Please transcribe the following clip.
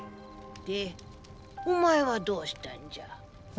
でお前はどうしたいんじゃ。え？